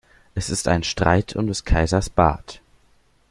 Es ist ein Streit um des Kaisers Bart.